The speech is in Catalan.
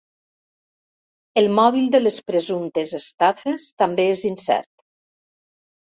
El mòbil de les presumptes estafes també és incert.